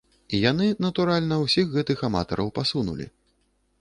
І яны, натуральна, усіх гэтых аматараў пасунулі.